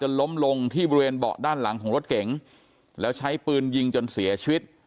ล้มลงที่บริเวณเบาะด้านหลังของรถเก๋งแล้วใช้ปืนยิงจนเสียชีวิต